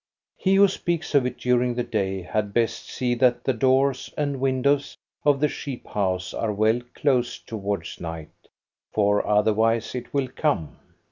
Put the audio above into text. He who speaks of it during the day had best see that the doors and windows of the sheep house are well closed towards night, for other wise it will come.